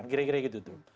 gira gira gitu tuh